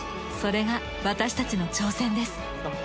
それが私たちの挑戦です。